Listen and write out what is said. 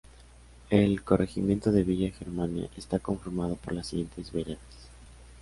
El corregimiento de Villa Germania está conformado por las siguientes veredas.